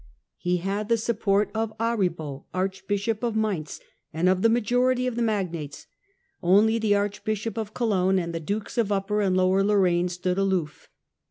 He had the support of Aribo Archbishop of Mainz, and of the majority of the magnates: only the Archbishop of Cologne and the Dukes of Upper and Lower Lorraine stood aloof.